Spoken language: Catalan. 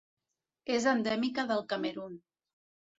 És endèmica del Camerun.